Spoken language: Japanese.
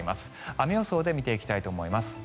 雨予想で見ていきたいと思います。